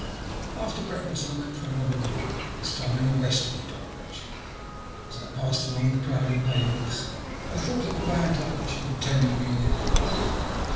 After breakfast I went for another walk, this time in a westerly direction. As I passed along the crowded pavements I thought of the bad luck which had attended me all my life.